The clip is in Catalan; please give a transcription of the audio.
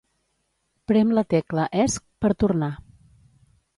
Prem la tecla Esc per tornar.